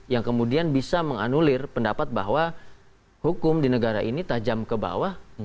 yang kemudian bisa menganulir pendapat bahwa hukum di negara ini tajam ke bawah